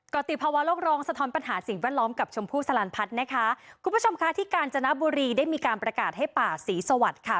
ติภาวะโลกร้องสะท้อนปัญหาสิ่งแวดล้อมกับชมพู่สลันพัฒน์นะคะคุณผู้ชมค่ะที่กาญจนบุรีได้มีการประกาศให้ป่าศรีสวัสดิ์ค่ะ